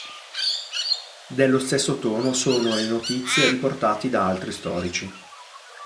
Dello stesso tono sono le notizie riportati da altri storici.